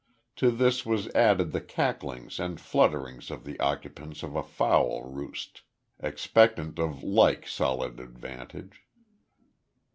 To this was added the cacklings and flutterings of the occupants of a fowl roost, expectant of like solid advantage.